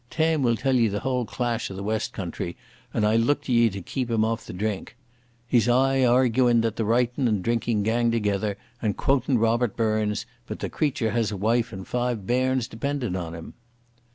Tam will tell ye the whole clash o' the West country, and I look to ye to keep him off the drink. He's aye arguin' that writin' and drinkin' gang thegither, and quotin' Robert Burns, but the creature has a wife and five bairns dependin' on him."